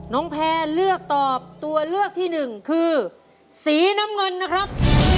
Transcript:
แพนเลือกตอบตัวเลือกที่หนึ่งคือสีน้ำเงินนะครับ